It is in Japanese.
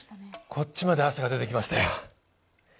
こっちまで汗が出てきましたよ。